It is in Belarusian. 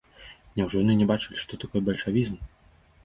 Няўжо яны не бачылі, што такое бальшавізм?